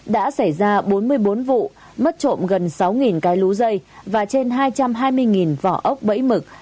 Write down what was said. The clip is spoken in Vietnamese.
đã xảy ra bốn mươi bốn vụ mất trộm gần sáu cái lú dây và trên hai trăm hai mươi vỏ ốc bẫy mực